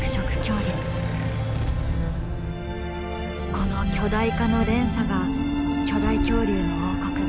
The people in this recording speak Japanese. この巨大化の連鎖が巨大恐竜の王国